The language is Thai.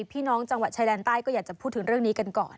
พี่น้องจังหวัดชายแดนใต้ก็อยากจะพูดถึงเรื่องนี้กันก่อน